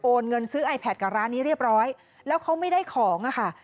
เงินซื้อไอแพทกับร้านนี้เรียบร้อยแล้วเขาไม่ได้ของอะค่ะ